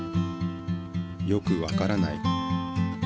よくわからない。